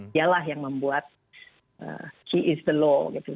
dialah yang membuat key is the law gitu